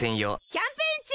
キャンペーン中！